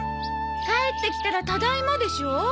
帰ってきたら「ただいま」でしょ。